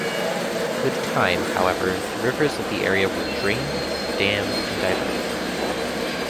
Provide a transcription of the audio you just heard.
With time, however, the rivers of the area were drained, dammed and diverted.